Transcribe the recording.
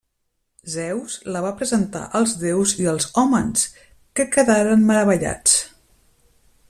Zeus la va presentar als déus i als hòmens, que quedaren meravellats.